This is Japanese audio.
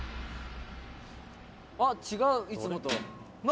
あっ違ういつもと。何？